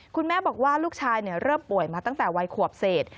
คุณแม่บอกว่าลูกชายเริ่มป่วยมาตั้งแต่วัยขวบเศษ